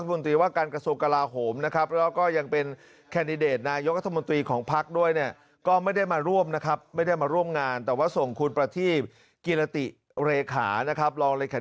มามอบใจการดอกไม้ครับ